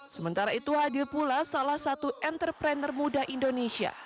sementara itu hadir pula salah satu entrepreneur muda indonesia